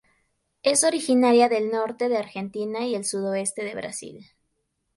Es originaria del norte de Argentina y el sudoeste de Brasil.